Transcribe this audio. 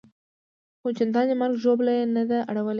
خو چندان مرګ ژوبله یې نه ده اړولې.